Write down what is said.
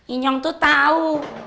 inyong tuh tau